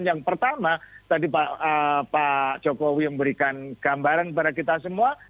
yang pertama tadi pak jokowi memberikan gambaran kepada kita semua